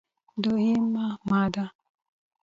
دوه یمه ماده: